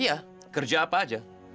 iya kerja apa aja